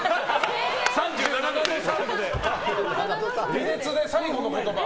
微熱で最期の言葉。